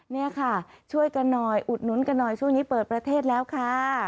นี่ค่ะช่วยกันหน่อยอุดหนุนกันหน่อยช่วงนี้เปิดประเทศแล้วค่ะ